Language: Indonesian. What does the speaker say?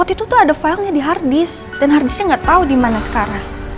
itu tuh ada filenya di harddisk dan harddisknya gak tau dimana sekarang